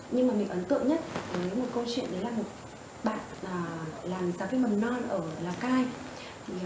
nhưng mà mình ấn tượng nhất với một câu chuyện đấy là một bạn làm giáo viên mầm non ở lào cai